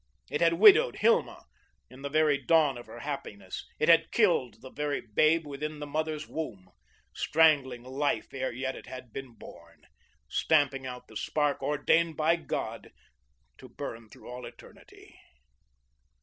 It had widowed Hilma in the very dawn of her happiness. It had killed the very babe within the mother's womb, strangling life ere yet it had been born, stamping out the spark ordained by God to burn through all eternity.